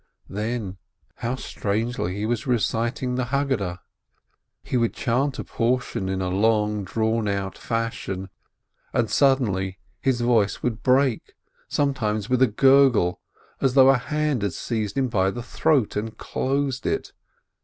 Then, how strangely he was reciting the Haggadah! He would chant a portion in long drawn out fashion, and suddenly his voice would break, sometimes with a gur gle, as though a hand had seized him by the throat and closed it.